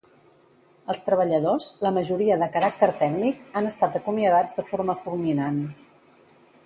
Els treballadors, la majoria de caràcter tècnic, han estat acomiadats de forma fulminant.